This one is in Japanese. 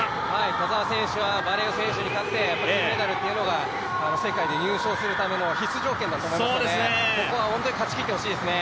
田澤選手はバレウ選手に勝って金メダルというのが、世界で入賞するための必須条件だと思いますので、ここは本当に勝ちきってほしいですね。